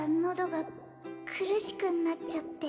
喉が苦しくなっちゃって